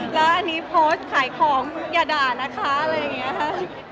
แล้วอันนี้โพสต์ขายของอย่าด่านะคะอะไรอย่างนี้ค่ะ